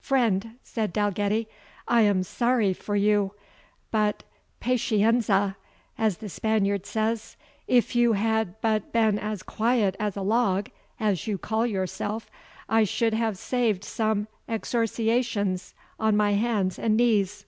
"Friend," said Dalgetty, "I am sorry for you; but PATIENZA, as the Spaniard says. If you had but been as quiet as a log, as you call yourself, I should have saved some excoriations on my hands and knees."